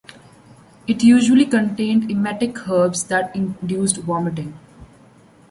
It usually contained emetic herbs that induced vomiting.